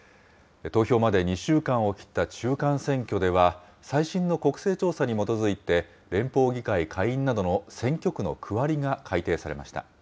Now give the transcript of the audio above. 投票まで２週間を切った中間選挙では、最新の国勢調査に基づいて、連邦議会下院などの選挙区の区割りが改定されました。